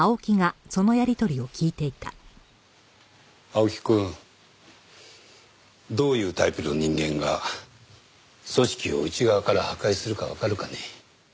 青木くんどういうタイプの人間が組織を内側から破壊するかわかるかね？